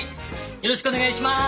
よろしくお願いします。